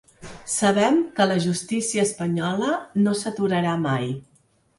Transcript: Sabem que la justícia espanyola no s’aturarà mai.